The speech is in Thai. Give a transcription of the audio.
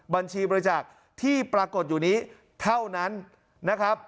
บัญชีบริจาคที่ปรากฏอยู่นี้เท่านั้นนะครับ